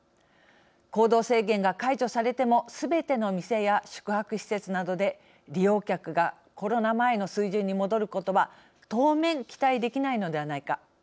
行動制限が解除されてもすべての店や宿泊施設などで利用客がコロナ前の水準に戻ることは当面期待できないのではないか。